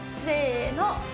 せの！